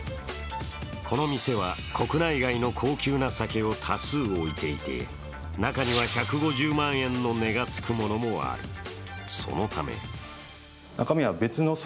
この店は国内外の高級な酒を多数置いていて中には１５０万円の値がつくものもある。